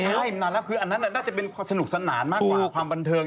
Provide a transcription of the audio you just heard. ใช่นานแล้วคืออันนั้นน่าจะเป็นความสนุกสนานมากกว่าความบันเทิง